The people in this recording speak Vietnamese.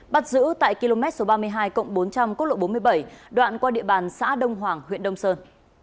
bắt giữ tại km ba mươi hai bốn trăm linh quốc lộ bốn mươi bảy đoạn qua địa bàn xã đông hoàng huyện đông sơn